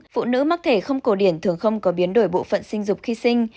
phụ nữ mắc thể không cổ điển thường không có biến đổi bộ phận sinh dục khi sinh